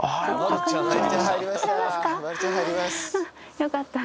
よかった